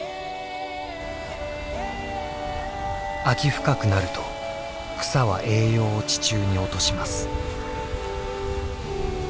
秋深くなると草は栄養を地中に落とします。